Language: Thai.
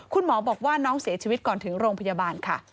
คุณหมอบอกว่าน้องเสียชีวิตก่อนถึงโรงพยาบาลค่ะ